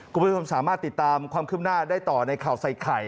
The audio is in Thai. กรุงประชุมสามารถติดตามความขึ้นหน้าได้ต่อในข่าวใส่ไข่